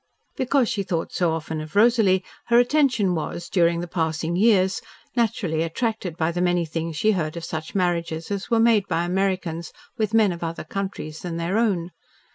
Because she thought so often of Rosalie, her attention was, during the passing years, naturally attracted by the many things she heard of such marriages as were made by Americans with men of other countries than their own.